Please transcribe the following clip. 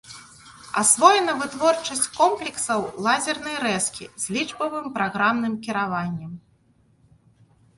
Асвоена вытворчасць комплексаў лазернай рэзкі з лічбавым праграмным кіраваннем.